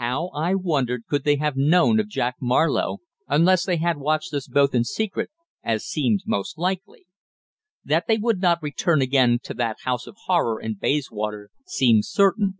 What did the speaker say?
How, I wondered, could they have known of Jack Marlowe, unless they had watched us both in secret, as seemed most likely. That they would not return again to that house of horror in Bayswater seemed certain.